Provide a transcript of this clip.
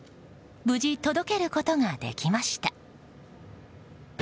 無事、届けることができました。